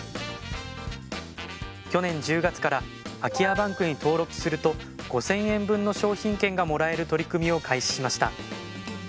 去年１０月から空き家バンクに登録すると５，０００円分の商品券がもらえる取り組みを開始しました。